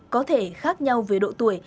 có thể khác nhau về độ tuổi